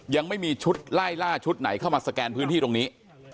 ยังไม่มีชุดไล่ล่าชุดไหนเข้ามาสแกนพื้นที่ตรงนี้